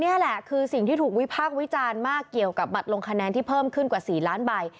นี่คือสิ่งที่ถูกวิพากษ์วิจารณ์มากเกี่ยวกับบัตรลงคะแนนที่เพิ่มขึ้นกว่า๔ล้านใบ